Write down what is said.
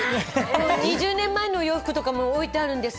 ２０年間の洋服も置いてあるんです。